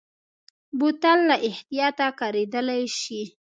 بوتل له احتیاطه کارېدلی شي.